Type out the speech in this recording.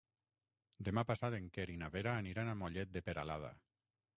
Demà passat en Quer i na Vera aniran a Mollet de Peralada.